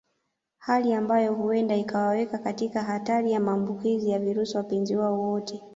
Hali ambayo huenda ikawaweka katika hatari ya maambukizi ya virusi wapenzi wote wawili